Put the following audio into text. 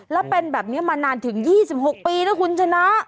แล้วเป็นแบบนี้มานานถึง๒๖ปีนะคุณชนะ